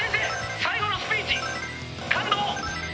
最後のスピーチ感動